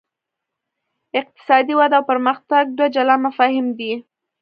اقتصادي وده او پرمختګ دوه جلا مفاهیم دي.